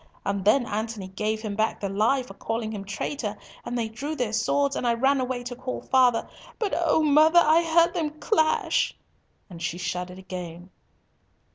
And then Antony gave him back the lie for calling him traitor, and they drew their swords, and I ran away to call father, but oh! mother, I heard them clash!" and she shuddered again.